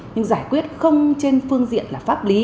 nhưng giải quyết không trên phương diện là pháp lý